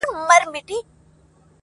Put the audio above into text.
بوډا کیسې په دې قلا کي د وختونو کوي!!